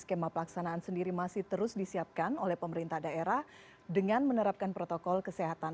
skema pelaksanaan sendiri masih terus disiapkan oleh pemerintah daerah dengan menerapkan protokol kesehatan